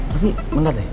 tapi bentar deh